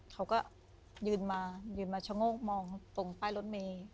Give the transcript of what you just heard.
เขาก็ยืนมายืนมาชะโงกมองตรงป้ายรถเมย์